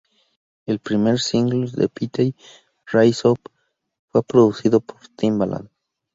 El primer single de Petey, "Raise Up", fue producido por Timbaland.